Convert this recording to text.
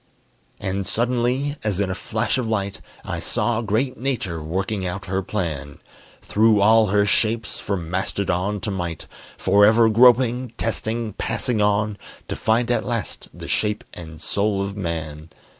And suddenly, as in a flash of light, I saw great Nature working out her plan; Through all her shapes, from mastodon to mite, Forever groping, testing, passing on To find at last the shape and soul of Man.